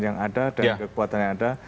yang ada dan kekuatan yang ada